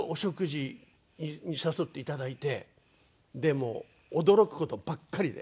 もう驚く事ばっかりで。